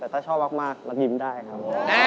แต่ถ้าชอบมากแล้วยิ้มได้ครับ